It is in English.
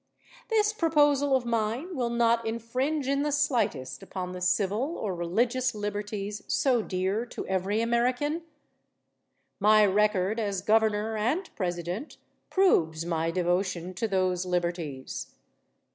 This proposal of mine will not infringe in the slightest upon the civil or religious liberties so dear to every American. My record as Governor and President proves my devotion to those liberties.